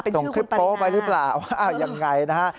เป็นชื่อคุณปรีนาส่งชื่อโป๊ะไปหรือเปล่าว่ายังไงนะฮะ